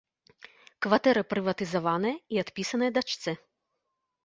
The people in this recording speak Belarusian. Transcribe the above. Кватэра прыватызаваная і адпісаная дачцэ.